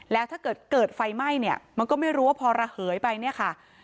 แล้วถ้าเกิดเกิดไฟไหม้เนี่ยมันก็ไม่รู้ว่าพอระเหยไปเนี่ยค่ะ